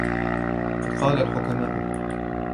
وَقَدْ قَالَ الْحُكَمَاءُ